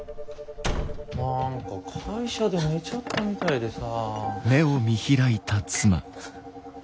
なんか会社で寝ちゃったみたいでさ。